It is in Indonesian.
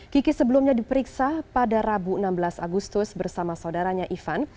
kiki sebelumnya diperiksa pada rabu enam belas agustus bersama saudaranya ivan